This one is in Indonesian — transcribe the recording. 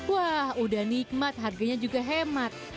wah udah nikmat harganya juga hemat